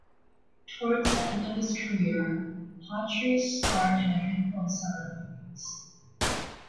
Towards the end of his career Hawtrey starred in a handful of silent movies.